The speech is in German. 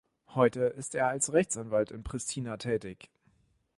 Heute ist er als Rechtsanwalt in Pristina tätig.